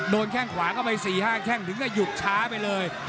แข้งขวาเข้าไป๔๕แข้งถึงก็หยุดช้าไปเลย